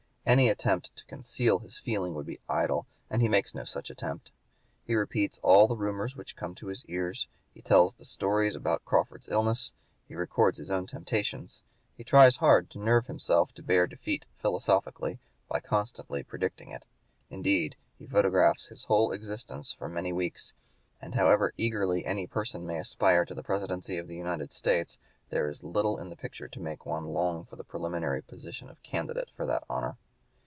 Any attempt to conceal his feeling would be idle, and he makes no such attempt. He repeats all the rumors which come to his ears; he tells the stories about Crawford's illness; he records his own temptations; he tries hard to nerve himself to bear defeat philosophically by constantly predicting it; indeed, he photographs his whole existence for many weeks; and however eagerly any person may aspire to the Presidency of the United States there is little in the picture to make one long for the preliminary position of candidate for that honor.